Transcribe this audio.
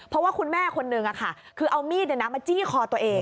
เพราะว่าคุณแม่คนนึงคือเอามีดมาจี้คอตัวเอง